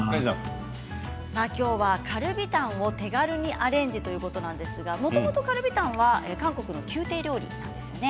今日はカルビタンを手軽にアレンジということなんですがもともと、カルビタンは韓国の宮廷料理ですね。